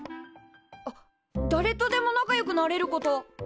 あっだれとでも仲良くなれること。